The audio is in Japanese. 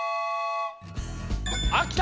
あっきた！